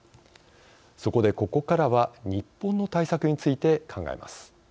そこで、ここからは日本の対策について考えます。